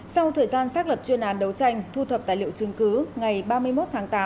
sau thời gian xác lập chuyên án đấu tranh thu thập tài liệu chứng cứ ngày ba mươi một tháng tám